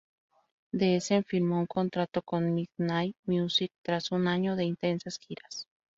The Essence firmó un contrato con Midnight Music tras un año de intensas giras.